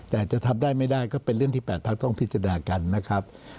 แต่จะทำได้ไม่ได้ก็เป็นเรื่องที่๘พักต้องพิจารณากันนะครับ